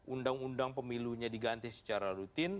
undang undang pemilunya diganti secara rutin